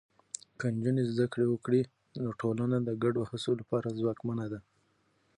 که نجونې زده کړه وکړي، نو ټولنه د ګډو هڅو لپاره ځواکمنه ده.